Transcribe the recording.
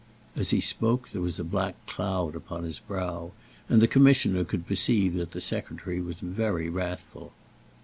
As he spoke, there was a black cloud upon his brow, and the Commissioner could perceive that the Secretary was very wrathful.